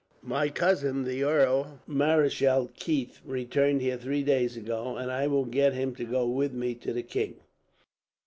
My cousin, the Earl Marischal Keith, returned here three days ago, and I will get him to go with me to the king."